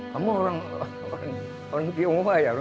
kamu orang tionghoa ya